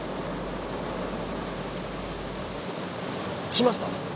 来ました。